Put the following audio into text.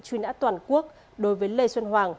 truy nã toàn quốc đối với lê xuân hoàng